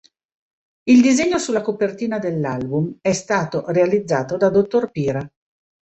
Il disegno sulla copertina dell'album è stato realizzato da Dr. Pira.